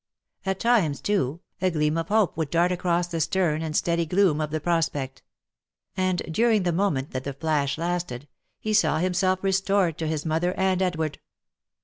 At times, too, a gleam of hope would dart across the stern and steady gloom of OF MICHAEL ARMSTRONG. 287 the prospect ; and during the moment that the flash lasted, he saw himself restored to his mother and Edward.